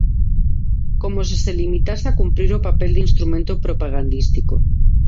Como se se limitase a cumprir o papel de instrumento propagandístico.